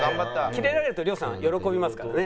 キレられると亮さん喜びますからね。